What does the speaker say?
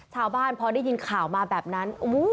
พอได้ยินข่าวมาแบบนั้น